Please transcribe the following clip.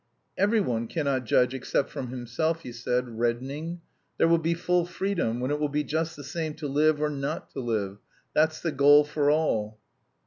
"Every one cannot judge except from himself," he said, reddening. "There will be full freedom when it will be just the same to live or not to live. That's the goal for all."